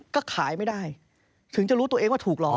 ก็ขายไม่ได้ถึงจะรู้ตัวเองว่าถูกหลอก